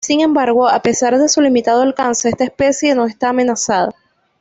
Sin embargo, a pesar de su limitado alcance, esta especie no está amenazada.